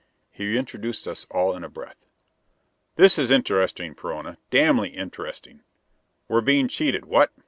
He introduced us all in a breath. "This is interesting, Perona. Damnably interesting. We're being cheated, what?